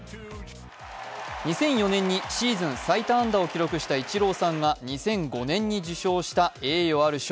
２００４年にシーズン最多安打を記録したイチローさんが２００５年に受賞した栄誉ある賞。